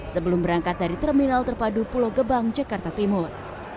sebelum berangkat dari terminal terpadu pulau gebang jakarta timur